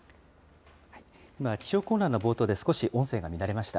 今、気象コーナーの冒頭で少し音声が乱れました。